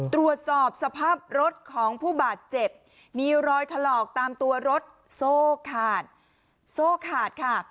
ตรวจสอบสภาพรถของผู้บาดเจ็บมีรอยถลอกตามตัวรถโซ่ขาดโซ่ขาดค่ะ